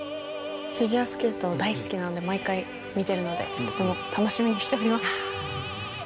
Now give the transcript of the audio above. フィギュアスケート大好きなので毎回見てるのでとても楽しみにしております。